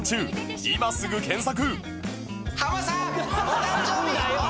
今すぐ検索！